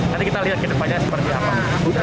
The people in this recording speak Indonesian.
nanti kita lihat ke depannya seperti apa